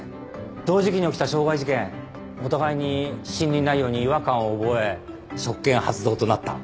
同時期に起きた傷害事件お互いに審理内容に違和感を覚え職権発動となった。